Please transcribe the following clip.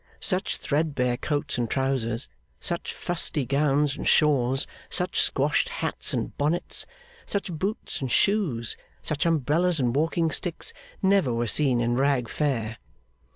Such threadbare coats and trousers, such fusty gowns and shawls, such squashed hats and bonnets, such boots and shoes, such umbrellas and walking sticks, never were seen in Rag Fair.